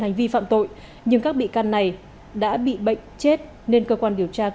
hành vi phạm tội nhưng các bị can này đã bị bệnh chết nên cơ quan điều tra